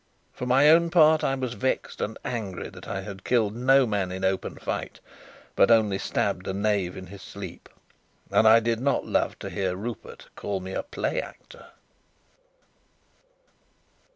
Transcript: For my own part, I was vexed and angry that I had killed no man in open fight, but only stabbed a knave in his sleep. And I did not love to hear Rupert call me a play actor.